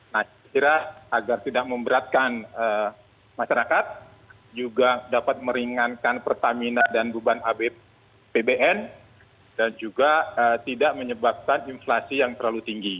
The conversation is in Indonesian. nah saya kira agar tidak memberatkan masyarakat juga dapat meringankan pertamina dan beban pbn dan juga tidak menyebabkan inflasi yang terlalu tinggi